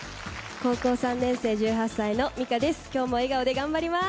高校３年生１８歳のミカです。